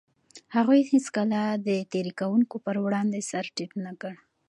هغوی هيڅکله د تېري کوونکو پر وړاندې سر ټيټ نه کړ.